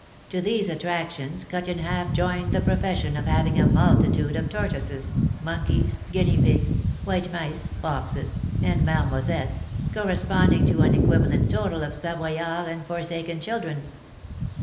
"To these attractions Cut in Half joined the profession of having a multitude of tortoises, monkeys, guinea pigs, white mice, foxes, and marmosettes, corresponding to an equivalent total of Savoyards and forsaken children.